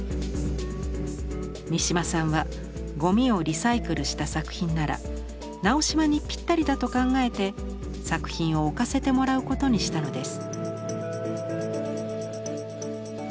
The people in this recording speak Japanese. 三島さんはゴミをリサイクルした作品なら直島にぴったりだと考えて作品を置かせてもらうことにしたのです。